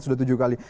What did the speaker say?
sudah tujuh kali